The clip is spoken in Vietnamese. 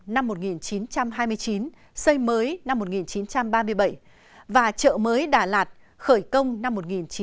năm một nghìn chín trăm hai mươi chín xây mới năm một nghìn chín trăm ba mươi bảy và chợ mới đà lạt khởi công năm một nghìn chín trăm bảy mươi